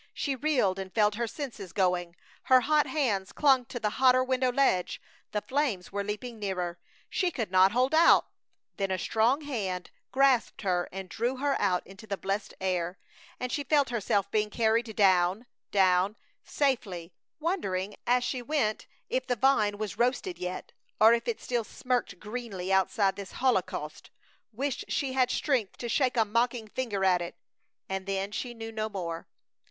She reeled and felt her senses going. Her hot hands clung to the hotter window ledge. The flames were leaping nearer! She could not hold out Then a strong hand grasped her and drew her out into the blessed air, and she felt herself being carried down, down, safely, wondering, as she went, if the vine was roasted yet, or if it still smirked greenly outside this holocaust; wished she had strength to shake a mocking finger at it; and then she knew no more.